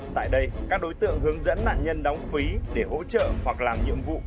tại đây các đối tượng hướng dẫn nạn nhân đóng phí để hỗ trợ hoặc làm nhiệm vụ